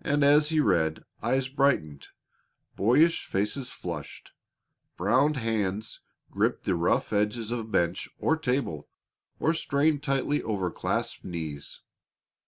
And as he read, eyes brightened, boyish faces flushed, brown hands gripped the rough edges of bench or table, or strained tightly over clasped knees.